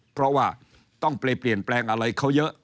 เพราะว่าต้องไปเปลี่ยนแปลงอะไรเขาเยอะ